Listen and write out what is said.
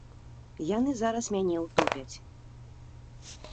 Яны зараз мяне ўтопяць.